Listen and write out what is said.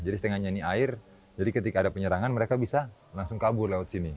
jadi setengahnya ini air jadi ketika ada penyerangan mereka bisa langsung kabur lewat sini